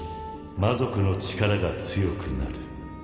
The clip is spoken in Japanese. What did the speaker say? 魔族の力が強くなる